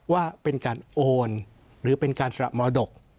ว่าเป็นการโอนหรือเป็นการสละมรดก